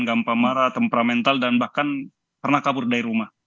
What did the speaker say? gampang marah temperamental dan bahkan pernah kabur dari rumah